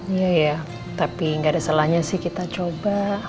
iya iya tapi nggak ada salahnya sih kita coba